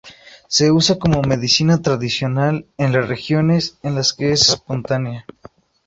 Se usa como medicina tradicional en las regiones en las que es espontánea.